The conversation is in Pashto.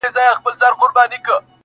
چي راویښ سوم سر مي پروت ستا پر زنګون دی,